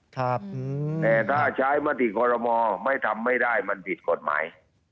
แต่ถ้าใช้มติคอรมอลไม่ทำไม่ได้มันผิดกฎหมาย